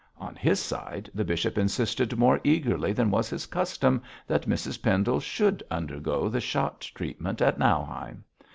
On his side, the bishop insisted more eagerly than was his custom that Mrs Pendle should undergo the Schott treatment at Nauheim.